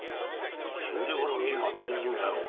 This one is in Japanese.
死んでから見え張ってどうすんだよ。